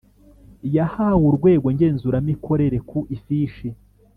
yahawe Urwego Ngenzuramikorere ku ifishi